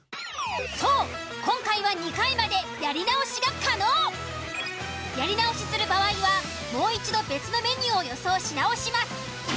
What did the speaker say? そう今回はやり直しする場合はもう一度別のメニューを予想し直します。